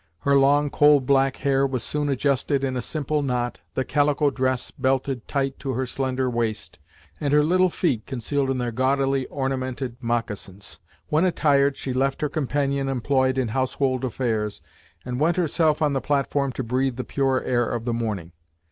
Her long coal black hair was soon adjusted in a simple knot, the calico dress belted tight to her slender waist, and her little feet concealed in their gaudily ornamented moccasins. When attired, she left her companion employed in household affairs, and went herself on the platform to breathe the pure air of the morning.